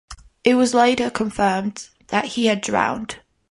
It was later confirmed that he had drowned.